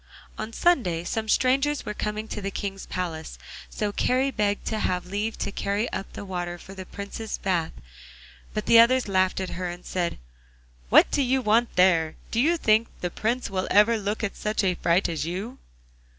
On Sunday some strangers were coming to the King's palace, so Kari begged to have leave to carry up the water for the Prince's bath, but the others laughed at her and said, 'What do you want there? Do you think the Prince will ever look at such a fright as you?